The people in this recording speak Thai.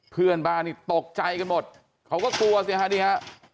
เพื่อนบ้านนี่ตกใจกันหมดเขาก็กลัวสิฮะนี่ฮะ